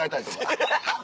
ハハハハ！